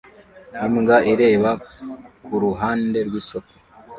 Imbwa ireba kuruhande rwisoko